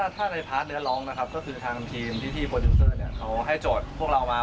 ถ้าในพาร์ทเนื้อร้องนะครับก็คือทางทีมที่พรูทัพให้จดพวกเรามา